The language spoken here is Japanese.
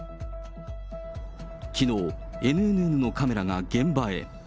きのう、ＮＮＮのカメラが現場へ。